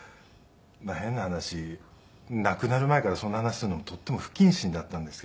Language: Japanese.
変な話亡くなる前からそんな話するのもとても不謹慎だったんですけど。